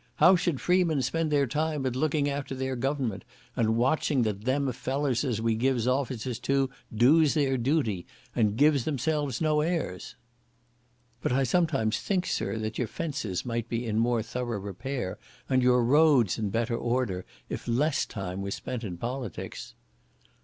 How should freemen spend their time, but looking after their government, and watching that them fellers as we gives offices to, doos their duty, and gives themselves no airs?" "But I sometimes think, sir, that your fences might be in more thorough repair, and your roads in better order, if less time was spent in politics."